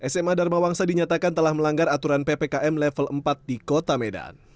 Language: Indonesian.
sma dharma wangsa dinyatakan telah melanggar aturan ppkm level empat di kota medan